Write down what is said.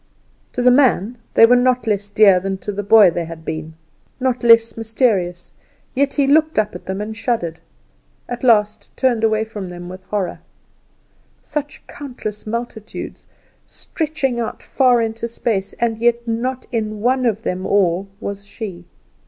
To the man they were not less dear than to the boy they had been not less mysterious; yet he looked up at them and shuddered; at last turned away from them with horror. Such countless multitudes stretching out far into space, and yet not in one of them all was she!